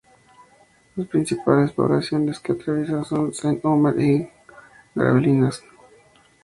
Las principales poblaciones que atraviesa son Saint-Omer y Gravelinas.